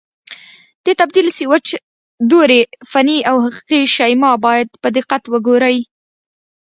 د تبدیل سویچ دورې فني او حقیقي شیما باید په دقت وګورئ.